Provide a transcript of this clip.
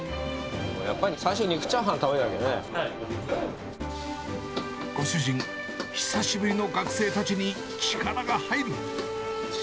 やっぱり最初は肉チャーハンご主人、久しぶりの学生たちに、力が入る。